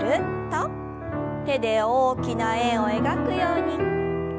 手で大きな円を描くように。